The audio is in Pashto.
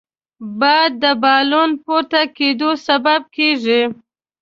باد د بالون پورته کېدو سبب کېږي